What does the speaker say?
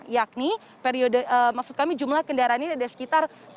yakni maksud kami jumlah kendaraan ini ada sekitar tiga belas tujuh ratus